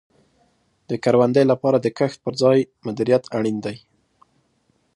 د کروندې لپاره د کښت په ځای مدیریت اړین دی.